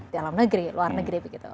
dalam negeri luar negeri begitu